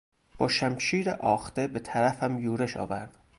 با شمشیر آخته به طرفم یورش آورد.